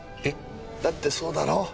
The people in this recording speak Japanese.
だってそうだろ？